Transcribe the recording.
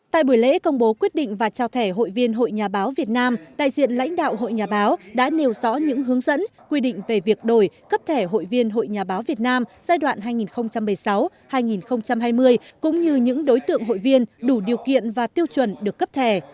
tại buổi lễ công bố quyết định và trao thẻ hội viên hội nhà báo việt nam đại diện lãnh đạo hội nhà báo đã nêu rõ những hướng dẫn quy định về việc đổi cấp thẻ hội viên hội nhà báo việt nam giai đoạn hai nghìn một mươi sáu hai nghìn hai mươi cũng như những đối tượng hội viên đủ điều kiện và tiêu chuẩn được cấp thẻ